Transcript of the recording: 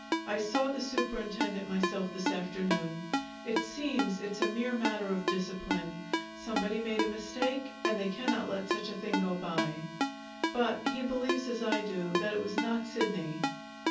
I saw the superintendent myself this afternoon. It seems it's a mere matter of discipline. Somebody made a mistake, and they cannot let such a thing go by. But he believes, as I do, that it was not Sidney."